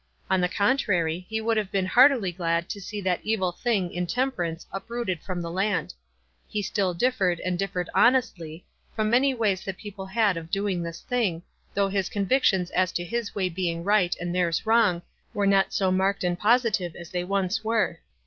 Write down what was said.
On the contrary, he would have been heartily glad to see that evil thing intemperance uprooted from the land. He still differed, and 135 13 G WISE AND OTHERWISE. and differed honestly, from many ways that people had of doing this thing, though his con victions as to his way being right and theirs wrong were not so marked and positive as they once were.